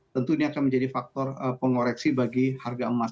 tentunya akan menjadi faktor pengoreksi bagi harga emas